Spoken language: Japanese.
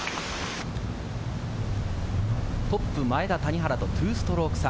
トップ、前田、谷原と２ストローク差。